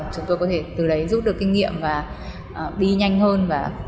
chúng tôi có thể từ đấy rút được kinh nghiệm và đi nhanh hơn